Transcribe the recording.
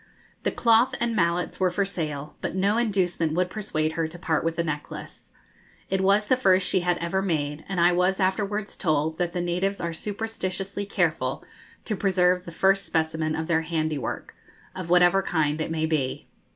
The cloth and mallets were for sale, but no inducement would persuade her to part with the necklace. It was the first she had ever made, and I was afterwards told that the natives are superstitiously careful to preserve the first specimen of their handiwork, of whatever kind it may be.